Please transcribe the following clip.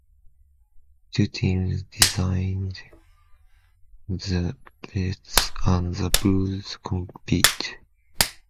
Two teams - designated the "Reds" and the "Blues" - compete.